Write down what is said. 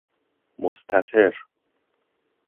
مستتر